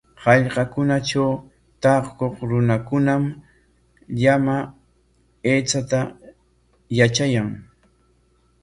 Hallqakunatraw taakuq runakunam llama aychata yatrayan.